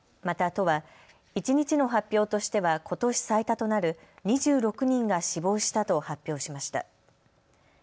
また都は一日の発表としてはことし最多となる２６人が死亡したと発表しました。